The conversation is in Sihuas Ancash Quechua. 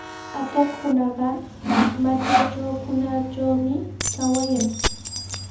Atuqkunaqa matraykunatrawmi kawayan.